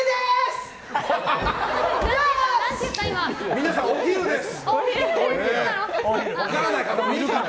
皆さん、お昼です！